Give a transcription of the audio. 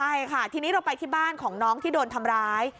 ใช่ค่ะทีนี้เราไปที่บ้านของน้องที่โดนทำร้าย